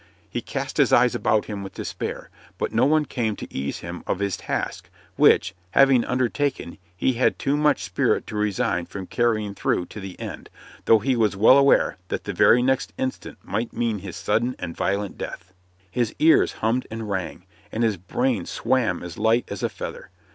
He cast his eyes about him with despair, but no one came to ease him of his task, which, having undertaken, he had too much spirit to resign from carrying through to the end, though he was well aware that the very next instant might mean his sudden and violent death. His ears hummed and rang, and his brain swam as light as a feather.